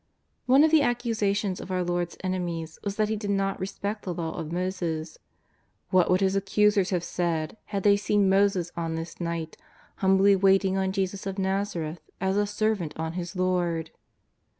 One of the ac cusations of our Lord's enemies was that He did not respect the Law of Moses. What would His accusers have said had they seen Moses on this night humbly waiting on Jesus of ITazareth as a servant on his lord